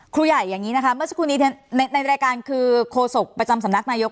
ครูใหญ่อย่างนี้นะคะเมื่อสักครู่นี้ในรายการคือโคศกประจำสำนักนายก